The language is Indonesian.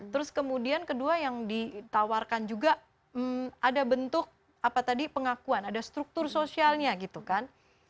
terus kemudian kedua yang ditawarkan juga ada bentuk apa tadi pengakuan ada struktur sosialnya gitu kan